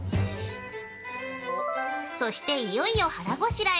◆そして、いよいよ腹ごしらえ。